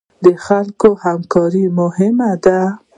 د خلکو همکاري مهمه ده